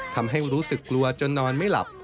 ทำให้รู้สึกกลัวจนนอนไม่หลับ